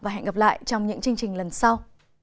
hẹn gặp lại trong những chương trình lần sau